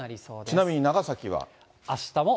ちなみに長崎は？